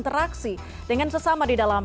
prof miko selamat malam